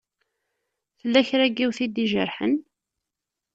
Tella kra n yiwet i d-ijerḥen?